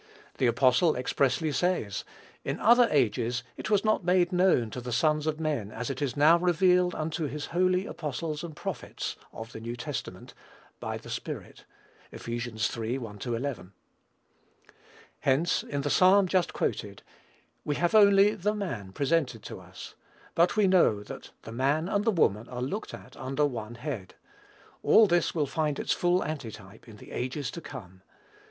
The apostle expressly says, "in other ages it was not made known to the sons of men as it is now revealed unto his holy apostles and prophets (of the New Testament) by the Spirit." (Eph. iii. 1 11.) Hence, in the Psalm just quoted, we have only "the man" presented to us; but we know that the man and the woman are looked at under one head. All this will find its full antitype in the ages to come.